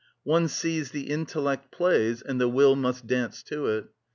One sees, the intellect plays, and the will must dance to it.